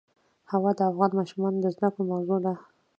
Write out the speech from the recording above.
هوا د افغان ماشومانو د زده کړې موضوع ده.